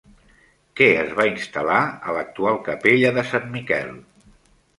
Què es va instal·lar a l'actual capella de Sant Miquel?